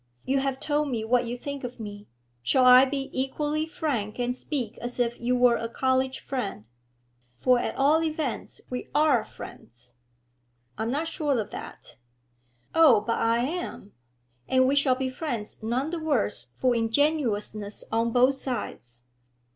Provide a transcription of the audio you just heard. You have told me what you think of me; shall I be equally frank and speak as if you were a college friend? For at all events we are friends.' 'I am not sure of that.' 'Oh, but I am; and we shall be friends none the worse for ingenuousness on both sides.